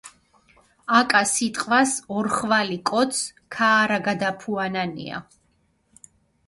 აკა სიტყვას ორხვალი კოც ქაარაგადაფუანანია.